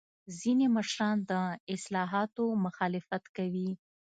ځینې مشران د اصلاحاتو مخالفت کوي.